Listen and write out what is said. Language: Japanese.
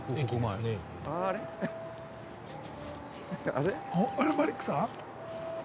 あれマリックさん？